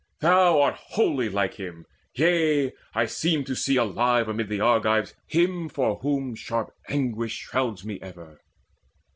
Thou art wholly like him yea, I seem to see Alive amid the Argives him for whom Sharp anguish shrouds me ever.